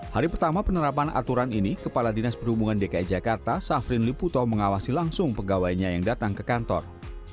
hari pertama penerapan aturan ini kepala dinas perhubungan dki jakarta safrin liputo mengawasi langsung pegawainya yang datang ke kantor